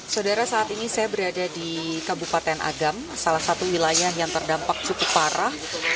saudara saat ini saya berada di kabupaten agam salah satu wilayah yang terdampak cukup parah